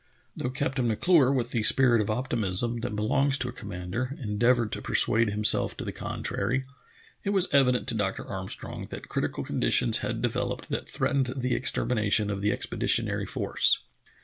Though Captain M'Clure, with the spirit of op timism that belongs to a commander, endeavored to persuade himself to the contrary, it was evident to Dr. Armstrong that critical conditions had developed that threatened the extermination of the expeditionary force.